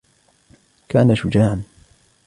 كان شجاعاً.